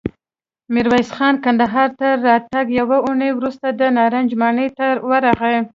ميرويس خان کندهار ته تر راتګ يوه اوونۍ وروسته د نارنج ماڼۍ ته ورغی.